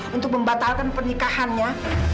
dan juga untuk membatalkan pernikahannya